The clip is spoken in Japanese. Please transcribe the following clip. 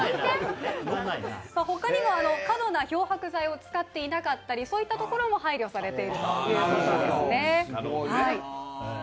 ほかにも過度な漂白剤を使っていなかったりそういったところも配慮されているということです。